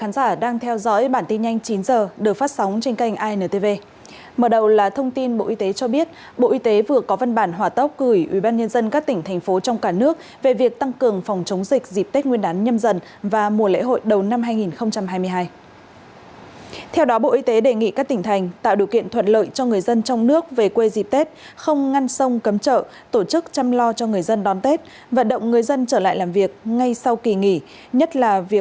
các bạn hãy đăng ký kênh để ủng hộ kênh của chúng mình nhé